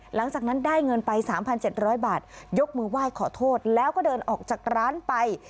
หลังจากนั้นได้เงินไป๓๗๐๐บาทยกมือไหว้ขอโทษแล้วก็เดินออกจากร้านไป